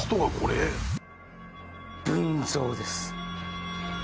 文蔵です。